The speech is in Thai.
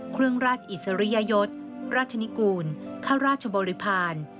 เครื่องราชอิสริยยศราชนิกูลข้าราชบริพาณ